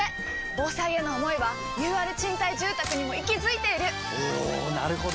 防災への想いはＵＲ賃貸住宅にも息づいているおなるほど！